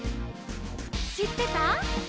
「しってた？」